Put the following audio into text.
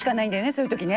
そういう時ね。